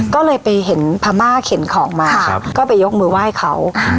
ก็เลยไปเห็นพม่าเข็นของมาก็ไปยกมือไหว้เขา